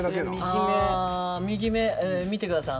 右目、見てください